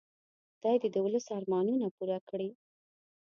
خدای دې د ولس ارمانونه پوره کړي.